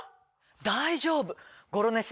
大丈夫。